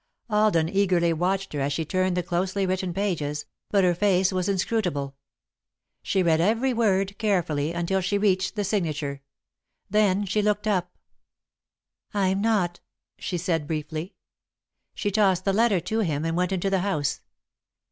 Alden eagerly watched her as she turned the closely written pages, but her face was inscrutable. She read every word carefully, until she reached the signature. Then she looked up. "I'm not," she said, briefly. She tossed the letter to him, and went into the house.